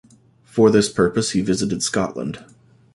For this purpose he visited Scotland.